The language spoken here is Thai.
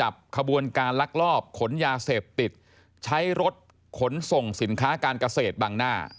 ขบวนการลักลอบขนยาเสพติดใช้รถขนส่งสินค้าการเกษตรบางหน้า